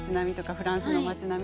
フランスの町並み。